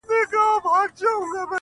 شپه چي تياره سي رڼا خوره سي